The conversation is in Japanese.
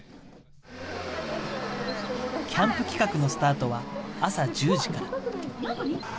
キャンプ企画のスタートは朝１０時から。